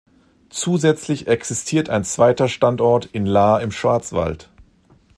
Zusätzlich existiert ein zweiter Standort in Lahr im Schwarzwald.